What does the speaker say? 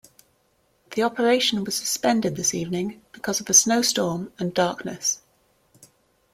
The operation was suspended this evening because of a snowstorm and darkness.